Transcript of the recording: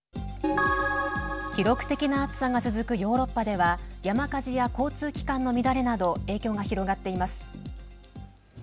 記録的な暑さが続くヨーロッパでは山火事や交通機関の乱れなど影響が広がっています。